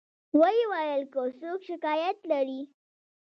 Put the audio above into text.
و یې ویل که څوک شکایت لري.